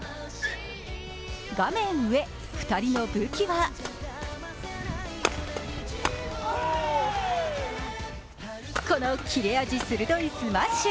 画面上、２人の武器はこの切れ味鋭いスマッシュ。